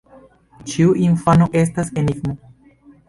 Ĉiu infano estas enigmo.